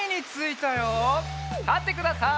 たってください。